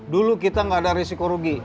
dulu kita nggak ada risiko rugi